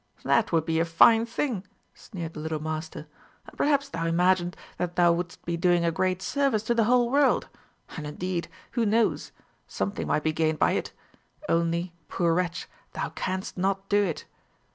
"That would be a fine thing," sneered the little Master; "and perhaps thou imaginest that thou wouldst be doing a great service to the whole world? And, indeed, who knows? Something might be gained by it! Only, poor wretch, thou canst not do it."